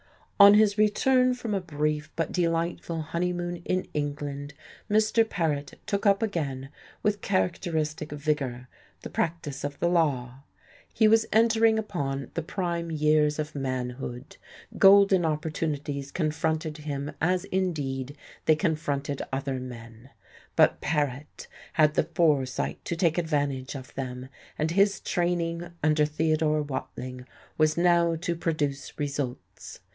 "On his return from a brief but delightful honeymoon in England Mr. Paret took up again, with characteristic vigour, the practice of the law. He was entering upon the prime years of manhood; golden opportunities confronted him as, indeed, they confronted other men but Paret had the foresight to take advantage of them. And his training under Theodore Watling was now to produce results....